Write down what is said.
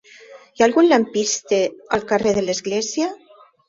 Hi ha algun lampista al carrer de l'Església?